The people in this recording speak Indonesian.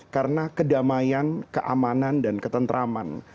karena kedamaian keamanan dan ketentraman